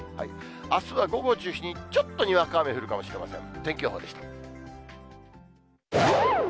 あすは午後を中心に、ちょっとにわか雨降るかもしれません。